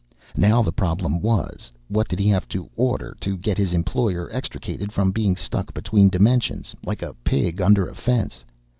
Now the problem was, what did he have to "order" to get his employer extricated from being stuck between dimensions, like a pig under a fence?